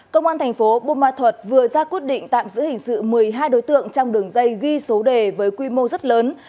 công an thành phố bô ma thuật vừa ra quyết định tạm giữ hình sự một mươi hai đối tượng trong đường dây ghi số đề với quy mô rất lớn